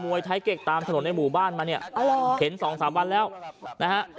วยไทยเกร็กตามถนนในหมู่บ้านมาเนี่ยเห็นสองสามวันแล้วนะฮะ